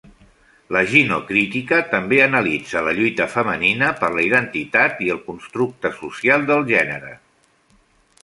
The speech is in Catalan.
La ginocrítica també analitza la lluita femenina per la identitat i el constructe social del gènera